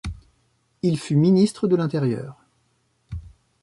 Il fut ministre de l'Intérieur.